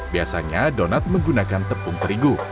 biasanya donat menggunakan tepung terigu